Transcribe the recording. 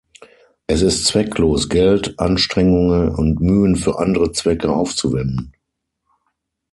Es ist zwecklos, Geld, Anstrengungen und Mühen für andere Zwecke aufzuwenden.